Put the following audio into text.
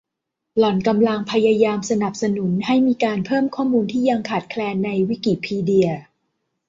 หล่อนกำลังพยายามสนับสนุนให้มีการเพิ่มข้อมูลที่ยังขาดแคลนในวิกิพีเดีย